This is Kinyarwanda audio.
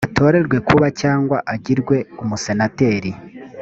atorerwe kuba cyangwa agirwe umusenateri